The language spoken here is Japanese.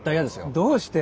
どうして。